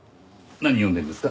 何読んでるんですか？